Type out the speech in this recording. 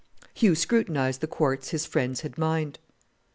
Hugh scrutinized the quartz his friends had mined.